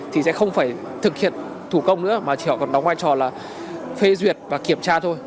thì sẽ không phải thực hiện thủ công nữa mà chỉ họ còn đóng vai trò là phê duyệt và kiểm tra thôi